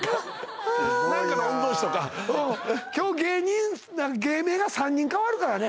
何かの御曹子とか今日芸名が３人変わるからね